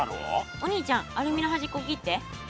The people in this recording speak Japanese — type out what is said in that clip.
お兄ちゃんアルミのはじっこ切って。